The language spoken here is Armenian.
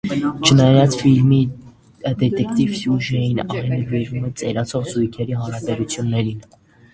Չնայած ֆիլմի դետեկտիվ սյուժեին, այն նվիրվում է ծերացող զույգերի հարաբերություններին։